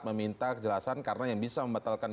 meminta kejelasan karena yang bisa membatalkan